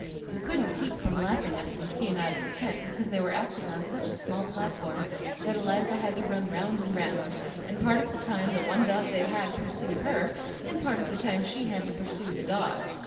We couldn't keep from laughing after we came out of the tent because they were acting on such a small platform that Eliza had to run round and round, and part of the time the one dog they had pursued her, and part of the time she had to pursue the dog.